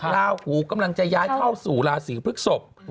ลาหูกำลังจะย้ายเข้าสู่ราศีพฤกษก